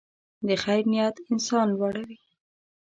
د خیر نیت انسان لوړوي.